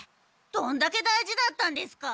どんだけ大事だったんですか？